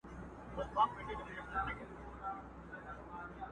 خو نه څانګه په دنیا کي میندل کېږي٫